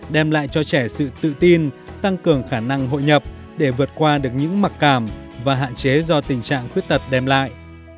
đem lại cho trẻ sự tự tin tăng cường khả năng hội nhập để vượt qua được những mặc cảm và hạn chế do tình trạng khuyết tật đem lại